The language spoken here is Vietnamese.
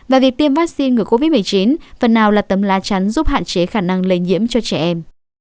và việc tiêm vaccine ngừa covid một mươi chín phần nào là tấm lá chắn giúp hạn chế khả năng lây nhiễm cho trẻ em